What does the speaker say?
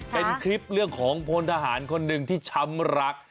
เป็นคลิปเรื่องของพลทหารคนหนึ่งที่ช้ำรัก